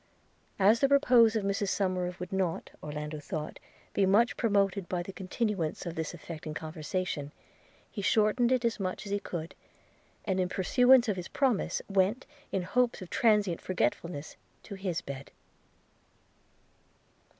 As the repose of Mrs Somerive would not, Orlando thought, be much promoted by the continuance of this affecting conversation, he shortened it as much as he could, and, in pursuance of his promise, went, in hopes of transient forgetfulness, to his bed.